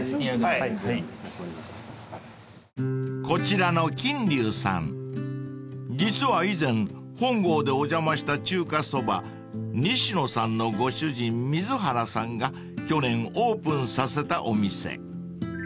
［こちらの金龍さん実は以前本郷でお邪魔した中華蕎麦にし乃さんのご主人水原さんが去年オープンさせたお店］